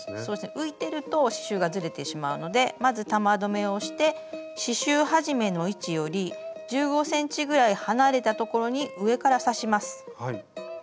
浮いてると刺しゅうがずれてしまうのでまず玉留めをして刺しゅう始めの位置より１５ｃｍぐらい離れたところに上から刺します。